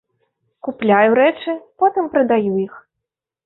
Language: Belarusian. Купляю рэчы, потым прадаю іх.